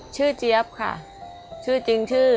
เจี๊ยบค่ะชื่อจริงชื่อ